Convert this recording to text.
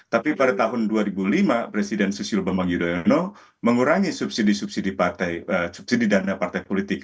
tapi pada tahun dua ribu lima presiden susilo bambang yudhoyono mengurangi subsidi subsidi dana partai politik